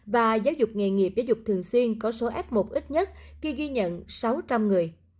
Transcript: và giáo dục nghề nghiệp giáo dục thường xuyên có số f một ít nhất khi ghi nhận sáu trăm linh người